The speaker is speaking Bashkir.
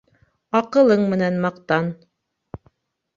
Аҡылың менән маҡтан.